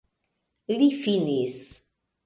Li finis!